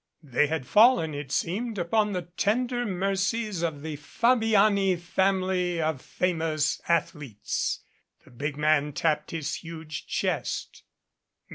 They had fallen, it seems, upon the tender mercies of the Fabiani Family of Famous Athletes. The big man tapped his huge chest.